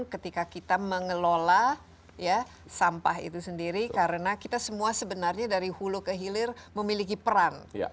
ketika kita mengelola sampah itu sendiri karena kita semua sebenarnya dari hulu ke hilir memiliki peran